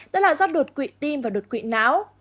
đó là dot đột quỵ tim và đột quỵ não